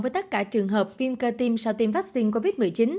với tất cả trường hợp phim cơ tim sau tim vaccine covid một mươi chín